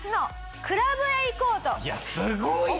いやすごいな！